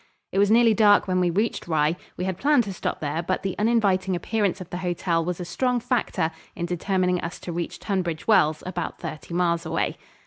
It was nearly dark when we reached Rye; we had planned to stop there, but the uninviting appearance of the hotel was a strong factor in determining us to reach Tunbridge Wells, about thirty miles away.